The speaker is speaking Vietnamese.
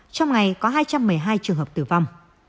trong ngày có hai trăm một mươi hai trường hợp tử vong